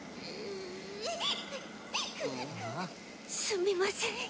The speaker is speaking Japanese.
すみません